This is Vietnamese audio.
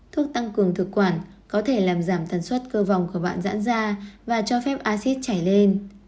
thuốc tăng cường thực quản có thể làm giảm tần suất cơ vòng của bạn giãn ra và cho phép acid chảy lên